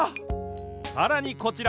さらにこちら！